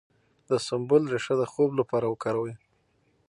د سنبل ریښه د خوب لپاره وکاروئ